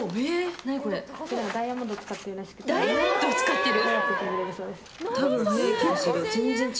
ダイヤモンドを使ってる！